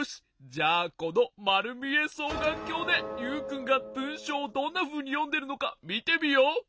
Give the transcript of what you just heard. じゃあこのまるみえそうがんきょうでユウくんがぶんしょうをどんなふうによんでるのかみてみよう。